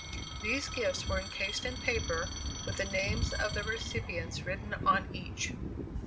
These gifts were encased in paper, with the names of the recipients written on each.